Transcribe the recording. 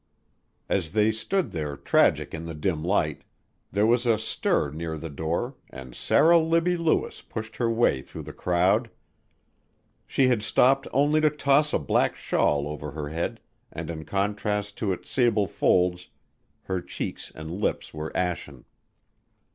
As they stood there tragic in the dim light, there was a stir near the door and Sarah Libbie Lewis pushed her way through the crowd. She had stopped only to toss a black shawl over her head and in contrast to its sable folds her cheeks and lips were ashen.